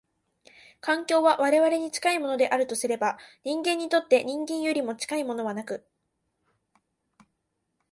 環境は我々に近いものであるとすれば、人間にとって人間よりも近いものはなく、